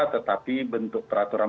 tetapi bentuk peraturan